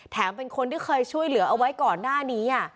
เป็นคนที่เคยช่วยเหลือเอาไว้ก่อนหน้านี้